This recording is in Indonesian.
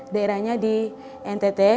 daerahnya di ntt